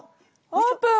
オープン！